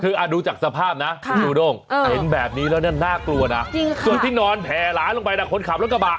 คือดูจากสภาพนะคุณจูด้งเห็นแบบนี้แล้วเนี่ยน่ากลัวนะส่วนที่นอนแผ่หลานลงไปนะคนขับรถกระบะ